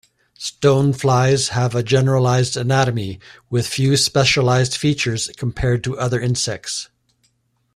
Stoneflies have a generalised anatomy, with few specialised features compared to other insects.